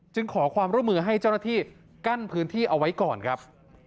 ขอความร่วมมือให้เจ้าหน้าที่กั้นพื้นที่เอาไว้ก่อนครับ